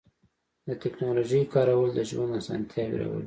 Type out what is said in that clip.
د تکنالوژۍ کارول د ژوند آسانتیاوې راولي.